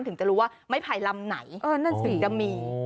ถึงจะรู้ว่าไม้ไผ่ลำไหนจะมี